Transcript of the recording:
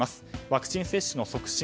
ワクチン接種の促進